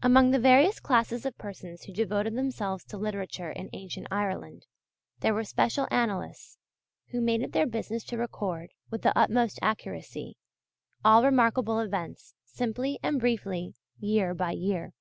Among the various classes of persons who devoted themselves to Literature in ancient Ireland, there were special Annalists, who made it their business to record, with the utmost accuracy, all remarkable events simply and briefly, year by year.